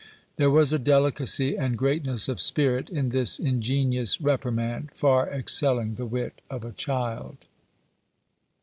There was a delicacy and greatness of spirit in this ingenious reprimand far excelling the wit of a child.